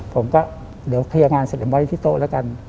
ผมก็เดี๋ยวเคลียร์งานเสร็จไว้ที่โต๊ะแล้วกัน